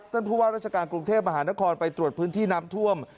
ผู้ว่าราชการกรุงเทพมหานครไปตรวจพื้นที่น้ำท่วม